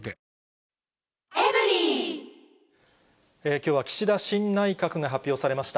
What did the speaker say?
きょうは岸田新内閣が発表されました。